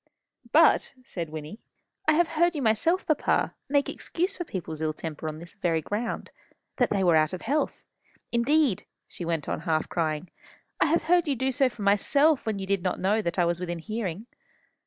"But," said Wynnie, "I have heard you yourself, papa, make excuse for people's ill temper on this very ground, that they were out of health. Indeed," she went on, half crying, "I have heard you do so for myself, when you did not know that I was within hearing."